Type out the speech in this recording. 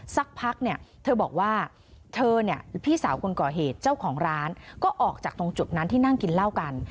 สักพักเนี่ยเธอบอกว่าเธอเนี่ยพี่สาวคนก่อเหตุเจ้าของร้านก็ออกจากตรงจุดนั้นที่นั่งกินเหล้ากัน